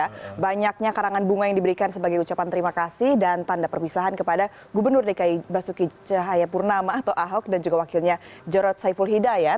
karena banyaknya karangan bunga yang diberikan sebagai ucapan terima kasih dan tanda perpisahan kepada gubernur dki basuki cahayapurnama atau ahok dan juga wakilnya jarod saiful hidayat